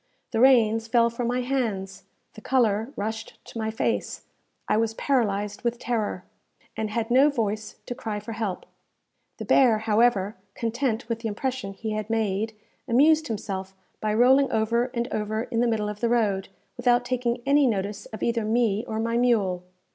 The reins fell from my hands; the colour rushed to my face; I was paralyzed with terror, and had no voice to cry for help. The bear, however, content with the impression he had made, amused himself by rolling over and over in the middle of the road, without taking any notice of either me or my mule.